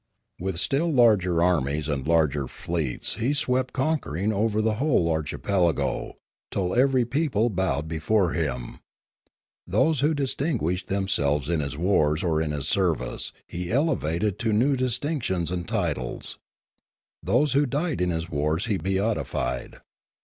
With still larger armies and larger fleets he swept conquering over the whole archipelago, till every people bowed before him. Those who distinguished themselves in his wars or in his service he elevated to new distinctions and titles. Those who died in his wars he beatified.